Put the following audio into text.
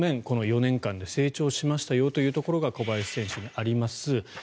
この４年間で成長しましたよというところが小林選手にあります。